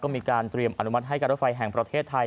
มีการเตรียมอนุมัติให้การรถไฟแห่งประเทศไทย